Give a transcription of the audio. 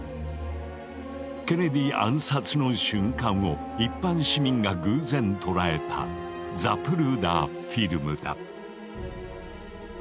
ケネディ暗殺の瞬間を一般市民が偶然捉えた「ザプルーダー・フィルム」だ。